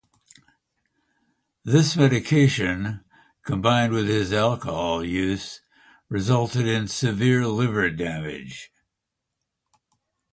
This medication, combined with his alcohol use resulted in severe liver damage.